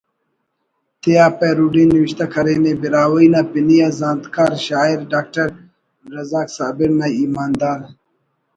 تیا پیروڈی نوشتہ کرینے براہوئی نا پنی آ زانتکار شاعر ڈاکٹر رزاق صابر نا ایماندار